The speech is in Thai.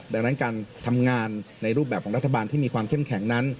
ดังนั้นการทำงานในรูปแบบของรัฐบาลที่มีความเข้มแข็งนั้น